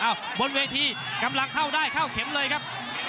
บนเวทีกำลังเข้าได้เข้าเข็มเลยครับ